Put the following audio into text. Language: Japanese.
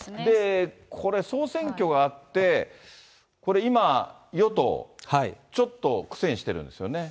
これ、総選挙があって、これ今、与党、ちょっと苦戦してるんですよね。